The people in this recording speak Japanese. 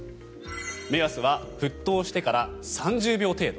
目安は沸騰してから３０秒程度。